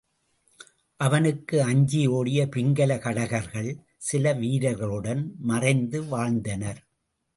அவனுக்கு அஞ்சி ஓடிய பிங்கல கடகர்கள், சில வீரர்களுடன் மறைந்து வாழ்ந்தனர்.